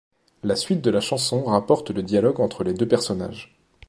La suite de la chanson rapporte le dialogue entre les deux personnages.